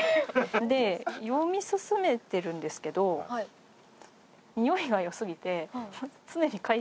で読み進めてるんですけど匂いが良すぎて常に嗅い